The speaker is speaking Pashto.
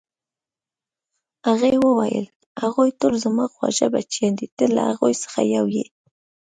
هغې وویل: هغوی ټول زما خواږه بچیان دي، ته له هغو څخه یو یې.